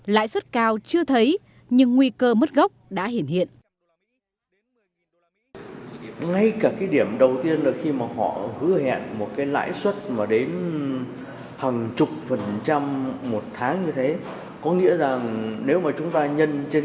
lãi suất cao chưa thấy nhưng nguy cơ mất gốc đã hiện hiện